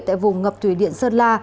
tại vùng ngập thủy điện sơn la